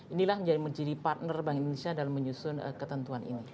inilah menjadi partner bank indonesia dalam menyusun ketentuan ini